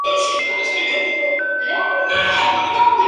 Siendo probablemente una de las tortugas más viejas del mundo aún vivas.